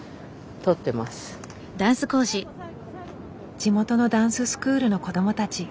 地元のダンススクールの子どもたち。